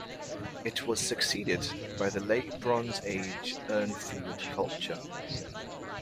It was succeeded by the Late Bronze Age Urnfield culture.